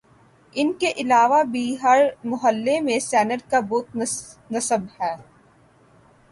ان کے علاوہ بھی ہر محلے میں سینٹ کا بت نصب ہے